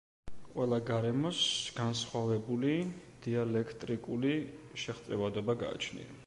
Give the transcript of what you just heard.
ყველა გარემოს განსხვავებული დიელექტრიკული შეღწევადობა გაჩნია.